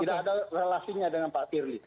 ini adalah relasinya dengan pak giri